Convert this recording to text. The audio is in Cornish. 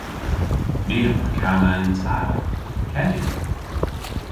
Ni a wra kana yn ta. Kenyn!